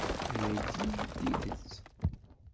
Ayagi d tidet!